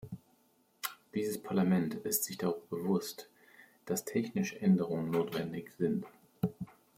Dieses Parlament ist sich darüber bewusst, dass technische Änderungen notwendig sind.